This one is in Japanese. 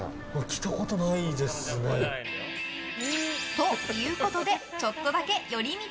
ということでちょっとだけ寄り道。